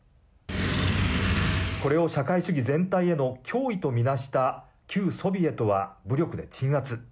これを社会主義全体への脅威と見なした旧ソビエトは武力で鎮圧。